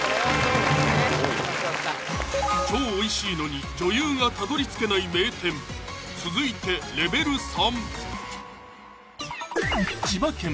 超美味しいのに女優が辿り着けない名店続いてレベル３！